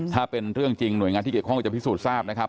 ถ้าเป็นเรื่องจริงหน่วยงานที่เกี่ยวข้องก็จะพิสูจนทราบนะครับ